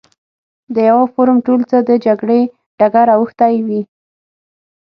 د یوه فورم ټول څه د جګړې ډګر اوښتی وي.